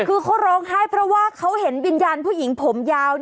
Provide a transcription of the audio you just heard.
คือเขาร้องไห้เพราะว่าเขาเห็นวิญญาณผู้หญิงผมยาว